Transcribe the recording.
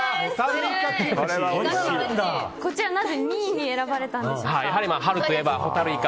こちら、なぜ２位に選ばれたんでしょうか。